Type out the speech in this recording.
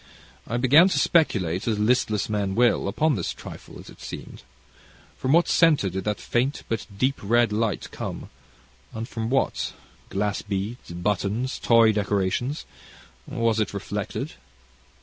I began to speculate, as listless men will, upon this trifle, as it seemed. From what centre did that faint but deep red light come, and from what glass beads, buttons, toy decorations was it reflected?